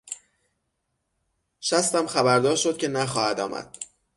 شستم خبردار شد که نخواهد آمد.